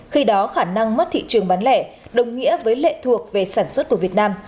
khi đó khả năng mất thị trường bán lẻ đồng nghĩa với lệ thuộc về sản xuất của việt nam